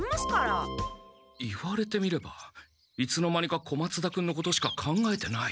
言われてみればいつの間にか小松田君のことしか考えてない。